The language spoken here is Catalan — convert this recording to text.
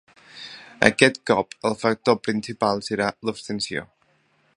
Aquest cop, el factor principal serà l’abstenció.